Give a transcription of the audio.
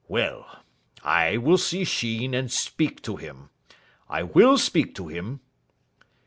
Well, I will see Sheen, and speak to him. I will speak to him."